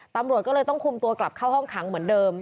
ตำรวจก็เลยต้องคุมตัวกลับเข้าห้องขังเหมือนเดิม